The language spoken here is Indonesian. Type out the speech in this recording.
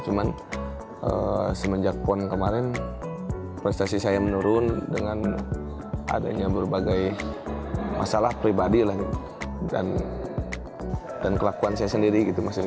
cuma semenjak pond kemarin prestasi saya menurun dengan adanya berbagai masalah pribadi dan kelakuan saya sendiri